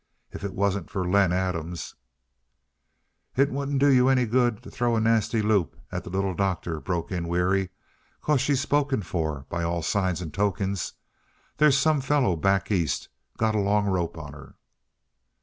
If it wasn't for Len Adams " "It wouldn't do you any good to throw a nasty loop at the Little Doctor," broke in Weary, "'cause she's spoken for, by all signs and tokens. There's some fellow back East got a long rope on her."